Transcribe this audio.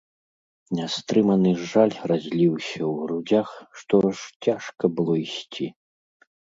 Нястрыманы жаль разліўся ў грудзях, што аж цяжка было ісці.